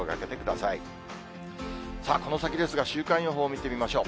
さあ、この先ですが、週間予報を見てみましょう。